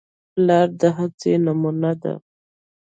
پلار د هڅې نمونه ده.